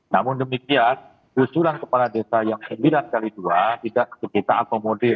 namun demikian usulan kepala desa yang sembilan kali dua tidak terbuka atau modir